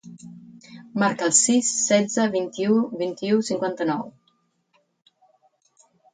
Marca el sis, setze, vint-i-u, vint-i-u, cinquanta-nou.